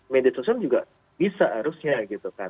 media sosial juga bisa harusnya gitu kan